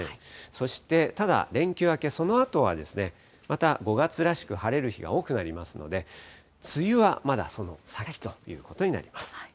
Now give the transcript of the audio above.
そして、ただ連休明け、そのあとはまた５月らしく晴れる日が多くなりますので、梅雨はまだその先ということになります。